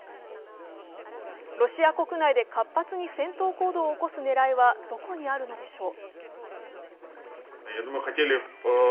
ロシア国内で活発に戦闘行動を起こす狙いはどこにあるのでしょう？